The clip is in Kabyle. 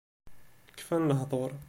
Kfan lehdur